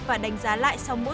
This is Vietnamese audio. và đánh giá lại sau mỗi giai đoạn